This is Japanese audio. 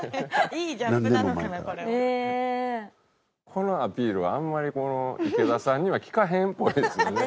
このアピールはあんまりこの池田さんには効かへんっぽいですよね。